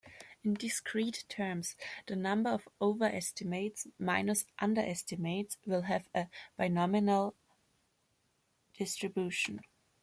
In discrete terms, the number of overestimates minus underestimates will have a binomial distribution.